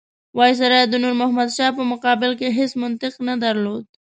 وایسرا د نور محمد شاه په مقابل کې هېڅ منطق نه درلود.